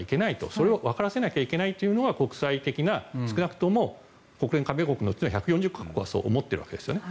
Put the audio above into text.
それをわからせなければいけないというのが国際的な、少なくとも国連加盟国の１４０か国はそう思っているわけですね。